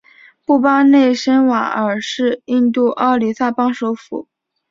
布巴内什瓦尔是印度奥里萨邦首府。